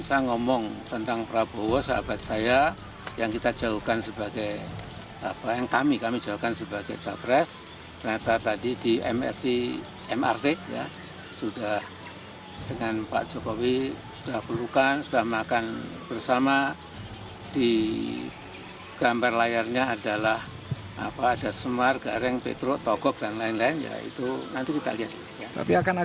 amin mengatakan akan berhati hati dalam berkomentar dan akan terus meneruskan perjuangan mereka untuk melawan kecurangan